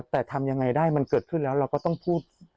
แต่ทำยังไงได้มันเกิดขึ้นแล้วเราก็ต้องพูด